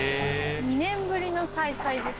２年ぶりの再会です